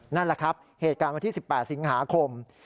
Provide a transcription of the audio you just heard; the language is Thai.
นั่นแหละครับเหตุการณ์วันที่๑๘สิงหาคม